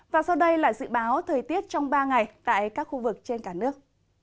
và sau đây là dự báo thời tiết trong ba ngày tại các khu vực trên cả nước